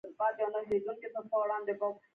دا ستوري په تور اسمان کې ډیر روښانه ځلیږي